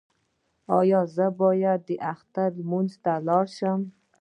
ایا زه باید اختر لمانځه ته لاړ شم؟